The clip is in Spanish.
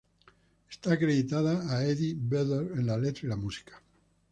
Está acreditada a Eddie Vedder en la letra y la música.